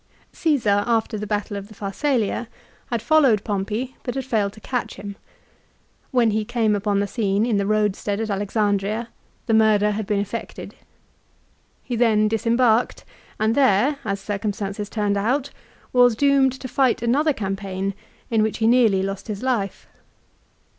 Caesar, after the battle of the Pharsalia, had followed Bc 47 Pompey but had failed to catch him. "When he aetat. 60. came U p 0n the scene in the roadstead at Alexandria, the murder had been effected. He then disembarked, and there, as circumstances turned out, was doomed to fight another campaign in which he nearly lost his life.